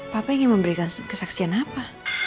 papa ingin memberikan kesaksian apa